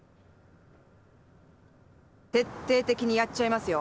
徹底的にやっちゃいますよ。